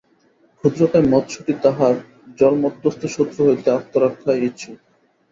ক্ষুদ্রকায় মৎস্যটি তাহার জলমধ্যস্থ শত্রু হইতে আত্মরক্ষায় ইচ্ছুক।